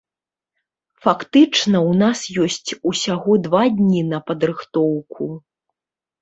Фактычна ў нас ёсць усяго два дні на падрыхтоўку.